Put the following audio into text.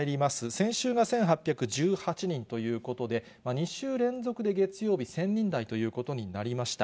先週が１８１８人ということで、２週連続で月曜日、１０００人台ということになりました。